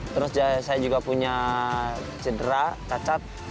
terus saya juga punya cedera cacat